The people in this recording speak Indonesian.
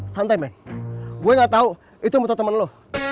santai men gue gatau itu motor temen lo